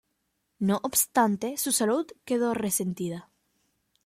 No obstante, su salud quedó resentida.